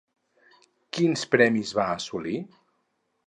Quins premis va assolir?